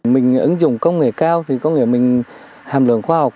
mình ứng dụng công nghệ cao thì có nghĩa mình hàm lượng khoa học